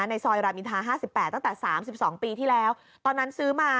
ในซอยรามิทาห้าสิบแปดตั้งแต่สามสิบสองปีที่แล้วตอนนั้นซื้อมา